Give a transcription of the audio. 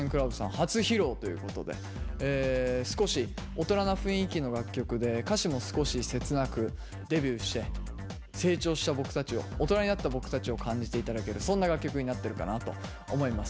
初披露ということで少し大人な雰囲気の楽曲で歌詞も少し切なくデビューして成長した僕たちを大人になった僕たちを感じて頂けるそんな楽曲になってるかなと思います。